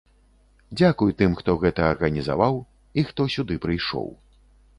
Дзякуй тым, хто гэта арганізаваў, і хто сюды прыйшоў.